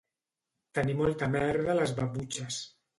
Tenir molta merda a les babutxes